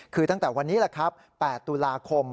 คือตั้งแต่วันนี้แหละครับ๘ตุลาคม